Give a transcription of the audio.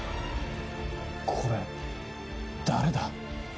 これ、誰だ？